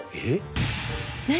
何？